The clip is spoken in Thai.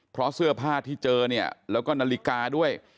เพราะเสื้อผ้าที่เจอเนี่ยแล้วก็นาฬิกาด้วย